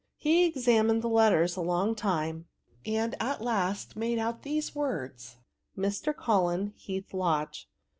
He examined the letters a long time, and at last made out these words t —'* Mr. Cullen, Heath Lodge.'